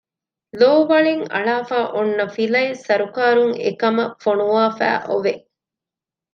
ލޯވަޅެއް އަޅާފައިއޮންނަ ފިލައެއް ސަރުކާރުން އެކަމަށް ފޮނުވާފައި އޮވެ